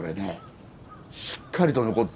しっかりと残ってる。